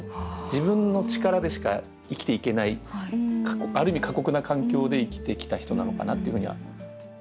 自分の力でしか生きていけないある意味過酷な環境で生きてきた人なのかなっていうふうには思います。